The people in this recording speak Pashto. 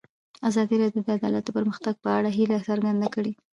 ازادي راډیو د عدالت د پرمختګ په اړه هیله څرګنده کړې.